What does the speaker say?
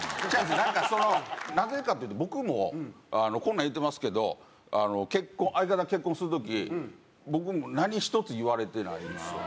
なんかそのなぜかというと僕もこんなん言うてますけど結婚相方が結婚する時僕も何ひとつ言われてないんですよ。